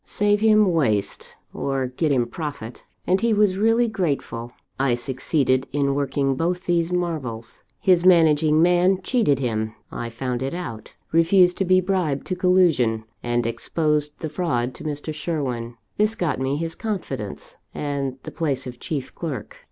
Save him waste, or get him profit; and he was really grateful. I succeeded in working both these marvels. His managing man cheated him; I found it out; refused to be bribed to collusion; and exposed the fraud to Mr. Sherwin. This got me his confidence, and the place of chief clerk.